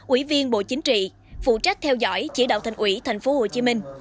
ủy viên bộ chính trị phụ trách theo dõi chỉ đạo thành ủy tp hcm